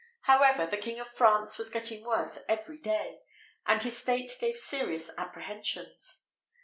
However, the King of France was getting worse every day, and his state gave serious apprehensions.